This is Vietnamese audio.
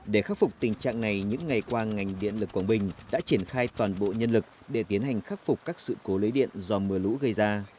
để khắc phục tình trạng này những ngày qua ngành điện lực quảng bình đã triển khai toàn bộ nhân lực để tiến hành khắc phục các sự cố lấy điện do mưa lũ gây ra